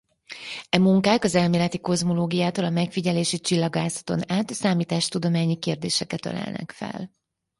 E munkák az elméleti kozmológiától a megfigyelési csillagászaton át számítástudományi kérdéseket ölelnek fel.